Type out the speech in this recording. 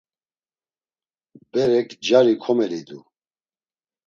Berek cari komelidu.